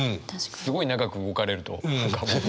すごい長く動かれると何かもう。